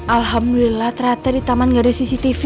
alhamdulillah ternyata di taman gak ada cctv